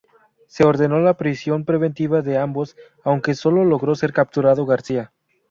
Se ordenó la prisión preventiva de ambos, aunque solo logró ser capturado García.